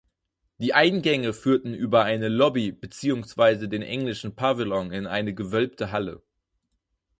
Die Eingänge führten über eine Lobby beziehungsweise den englischen Pavillon in eine gewölbte Halle.